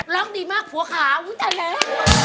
ร้องดีมากผัวขาวุ้งแต่แรง